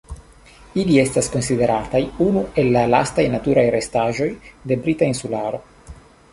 Ili estas konsiderataj unu el la lastaj naturaj restaĵoj de Brita Insularo.